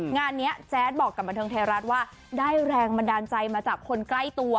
งานนี้แจ๊ดบอกกับบันเทิงไทยรัฐว่าได้แรงบันดาลใจมาจากคนใกล้ตัว